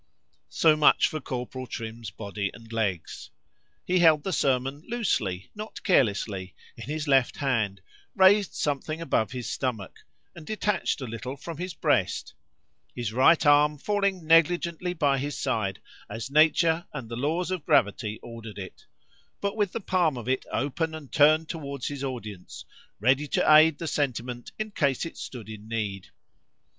So much for Corporal Trim's body and legs.——He held the sermon loosely, not carelessly, in his left hand, raised something above his stomach, and detached a little from his breast;——his right arm falling negligently by his side, as nature and the laws of gravity ordered it,——but with the palm of it open and turned towards his audience, ready to aid the sentiment in case it stood in need.